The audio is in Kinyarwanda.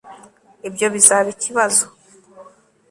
ibyo bizaba ikibazo